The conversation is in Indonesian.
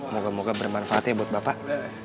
moga moga bermanfaatnya buat bapak